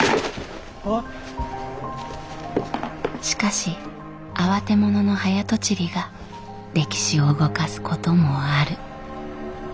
しかし慌て者の早とちりが歴史を動かすこともある。